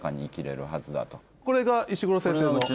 これが石黒先生の。